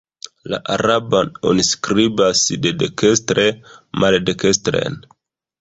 La araban oni skribas de dekstre maldekstren.